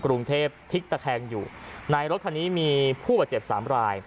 กรุงเทพพลิกตะแคงอยู่ในรถคันนี้มีผู้บาดเจ็บสามราย